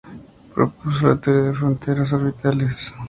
Propuso la "teoría de las fronteras orbitales".